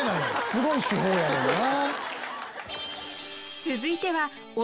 すごい手法やねんな。